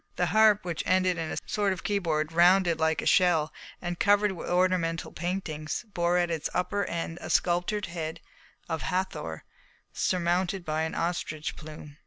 The harp, which ended in a sort of keyboard, rounded like a shell and covered with ornamental paintings, bore at its upper end a sculptured head of Hathor surmounted by an ostrich plume.